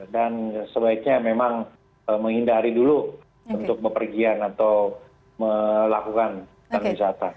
dan sebaiknya memang menghindari dulu untuk mepergian atau melakukan wisata